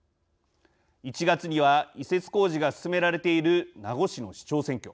１月には、移設工事が進められている名護市の市長選挙。